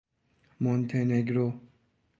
مونته نگرو